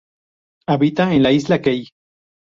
Habita en la isla Key.